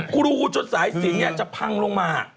กรูจนสายสินจะพังลงมา